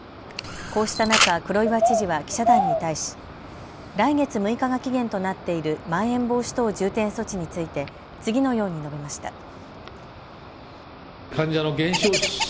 こうした中、黒岩知事は記者団に対し来月６日が期限となっているまん延防止等重点措置について次のように述べました。